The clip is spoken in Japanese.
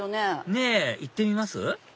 ねぇ行ってみます？